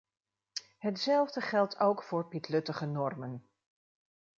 Hetzelfde geldt ook voor pietluttige normen.